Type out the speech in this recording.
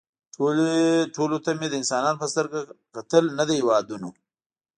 ټولو ته مې د انسانانو په سترګه کتل نه د هېوادونو